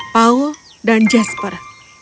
paul dan jasper